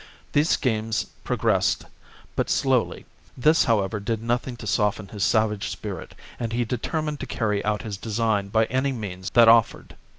These schemes pro 132 THE JUGURTHINE WAR. CHAP, gressed but slowly; this, however, did nothing to soften his savage spirit, and he determined to carry out his design by any means that offered.